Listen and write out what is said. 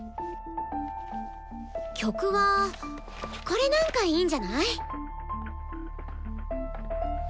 曲はこれなんかいいんじゃない？